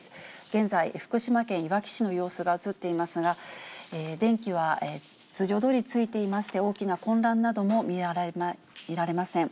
現在、福島県いわき市の様子が映っていますが、電気は通常どおりついていまして、大きな混乱なども見られません。